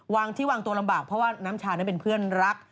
ที่วางตัวลำบากเพราะว่าน้ำชานั้นเป็นเพื่อนรัก